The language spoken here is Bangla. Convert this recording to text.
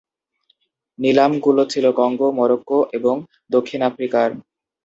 নিলাম গুলো ছিল কঙ্গো, মরক্কো এবং দক্ষিণ আফ্রিকার।